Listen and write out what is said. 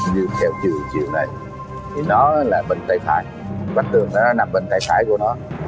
như theo chiều này thì nó là bên tay phải bắp trường đó nó nằm bên tay phải của nó